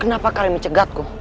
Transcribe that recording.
kenapa kalian mencegatku